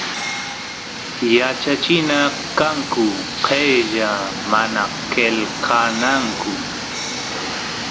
yachachina kanku qella mana qelqananku